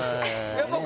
やっぱり。